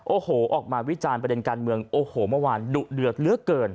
โอ้โหออกมาวิจารณ์ประเด็นการเมืองโอ้โหเมื่อวานดุเดือดเหลือเกิน